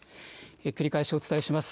繰り返しお伝えします。